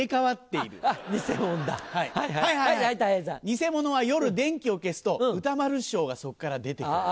偽物は夜電気を消すと歌丸師匠がそこから出て来る。